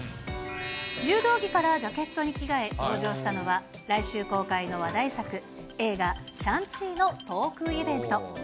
柔道着からジャケットに着替え、登場したのは来週公開の話題作、映画、シャン・チーのトークイベント。